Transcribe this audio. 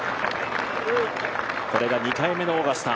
これが２回目のオーガスタ。